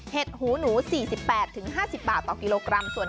เห็ดนางฟ้า๖๕๗๐บาทต่อกิโลกรัม